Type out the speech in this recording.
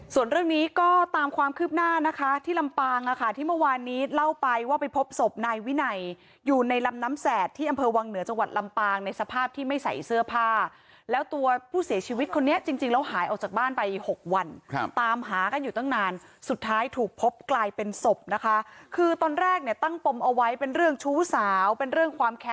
ส่วนเรื่องนี้ก็ตามความคืบหน้านะคะที่ลำปางอ่ะค่ะที่เมื่อวานนี้เล่าไปว่าไปพบศพนายวินัยอยู่ในลำน้ำแสดที่อำเภอวังเหนือจังหวัดลำปางในสภาพที่ไม่ใส่เสื้อผ้าแล้วตัวผู้เสียชีวิตคนนี้จริงจริงแล้วหายออกจากบ้านไปหกวันตามหากันอยู่ตั้งนานสุดท้ายถูกพบกลายเป็นศพนะคะคือตอนแรกเนี่ยตั้งปมเอาไว้เป็นเรื่องชู้สาวเป็นเรื่องความแค